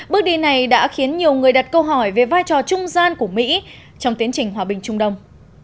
bước đi này đã khiến nhiều người đặt câu hỏi về vai trò trung gian của mỹ trong tiến trình hòa bình trung đông